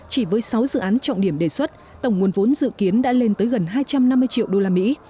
chỉ với sáu dự án trọng điểm đề xuất tổng nguồn vốn dự kiến đã lên tới gần hai trăm năm mươi triệu đô la mỹ